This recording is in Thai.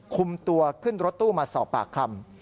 คุมตัวขึ้นรถตู้มาสอบปากคำ